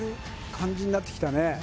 感じになってきたね